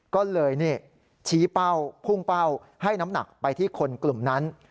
ก็เลยชี้เป้าพุ่งเป้าให้น้ำหนักไปที่คนกลุ่มนั้น